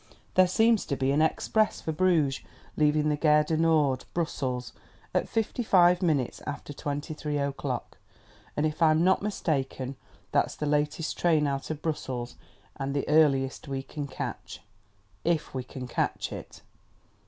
There seems to be an express for Bruges leaving the Gare du Nord, Brussels, at fifty five minutes after twenty three o'clock; and if I'm not mistaken, that's the latest train out of Brussels and the earliest we can catch,... if we can catch it.